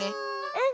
うん。